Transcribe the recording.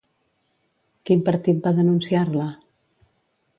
Quin partit va denunciar-la?